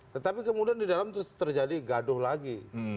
tetapi kemudian di dalam terjadi gaduh lagi